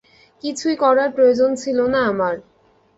কিছুই করার প্রয়োজন ছিল না আমার।